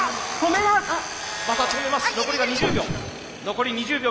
残りが２０秒。